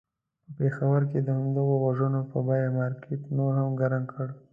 په پېښور کې یې د همدغو وژنو په بیه مارکېټ نور هم ګرم کړ.